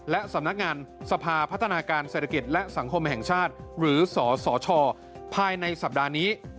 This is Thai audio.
และสำนักงานสภาพัฒนาการเศรษฐกิจและสังคมแห่งชาติหรือสสชภายในสัปดาห์นี้